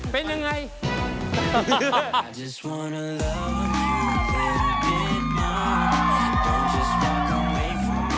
เป็นยังไง